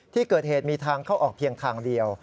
ที่เกิดเหตุมีทางเข้าออกเพียงทางเดียว